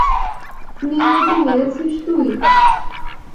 মেয়রকে মেরেছিস তুই?